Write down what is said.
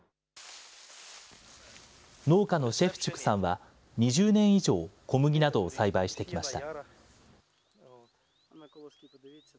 農家のシェフチュクさんは２０年以上、小麦などを栽培してきました。